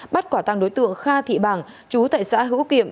bắt quả tăng đối tượng kha thị bàng chú tại xã hữu kiệm